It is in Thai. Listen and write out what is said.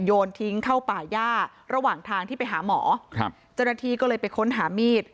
โยนทิ้งเข้าป่าย่าระหว่างทางที่ไปหาหมอครับเจ้าหน้าที่ก็เลยไปค้นหามีด